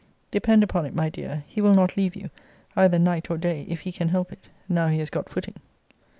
Depend upon it, my dear, he will not leave you, either night or day, if he can help it, now he has got footing.